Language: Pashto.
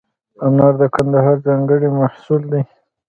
انار د کندهار ځانګړی محصول دی.